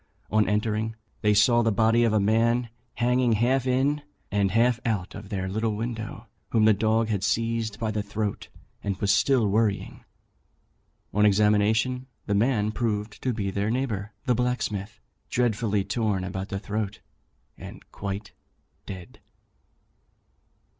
On entering they saw the body of a man hanging half in and half out of their little window, whom the dog had seized by the throat, and was still worrying. On examination, the man proved to be their neighbour the blacksmith, dreadfully torn about the throat, and quite dead."